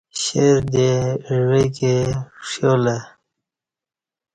ـشیردے ،عوہ کے، ݜیولہ